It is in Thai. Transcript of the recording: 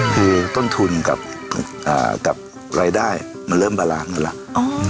คือต้นทุนกับรายได้มันเริ่มบารานกันแล้ว